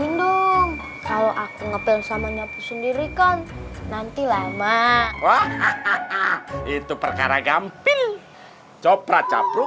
indung kalau aku ngebel sama nyatu sendiri kan nanti lama itu perkara gamping copra capru